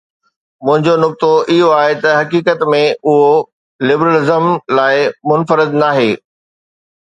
منهنجو نقطو اهو آهي ته، حقيقت ۾، اهو لبرلزم لاء منفرد ناهي.